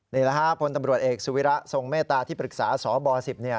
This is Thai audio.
นี่แหละฮะพลตำรวจเอกสุวิระทรงเมตตาที่ปรึกษาสบ๑๐เนี่ย